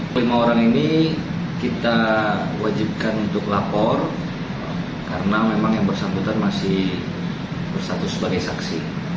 kelima orang ini kita wajibkan untuk lapor karena memang yang bersangkutan masih bersatu sebagai saksi